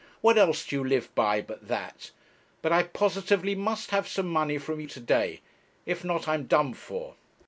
What else do you live by but that? But I positively must have some money from you to day. If not I am done for.'